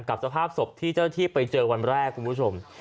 สภาพศพที่เจ้าที่ไปเจอวันแรกคุณผู้ชม